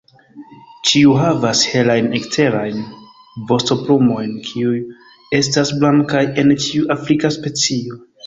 Ĉiu havas helajn eksterajn vostoplumojn, kiuj estas blankaj en ĉiu afrika specio.